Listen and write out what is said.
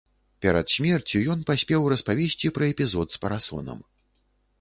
Перад смерцю ён паспеў распавесці пра эпізод з парасонам.